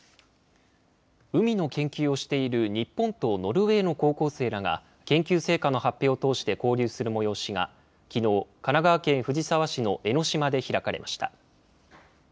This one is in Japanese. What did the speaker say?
海の研究をしている日本とノルウェーの高校生らが研究成果の発表を通して交流する催しがきのう、神奈川県藤沢市の江の島で開かれました。